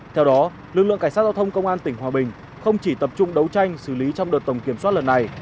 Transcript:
theo đó lực lượng cảnh sát giao thông công an tỉnh hòa bình không chỉ tập trung đấu tranh xử lý trong đợt tổng kiểm soát lần này